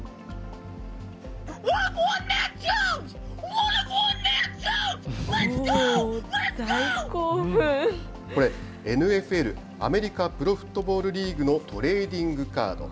おー、これ、ＮＦＬ・アメリカプロフットボールのトレーディングカード。